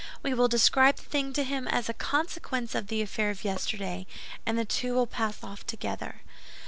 We will describe the thing to him as a consequence of the affair of yesterday, and the two will pass off together."